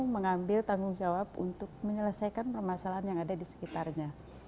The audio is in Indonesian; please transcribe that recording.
mengambil tanggung jawab untuk menyelesaikan permasalahan yang ada di sekitarnya